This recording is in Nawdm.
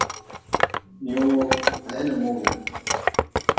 Yoo le he le mogi.